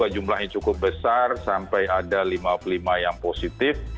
jumlahnya cukup besar sampai ada lima puluh lima yang positif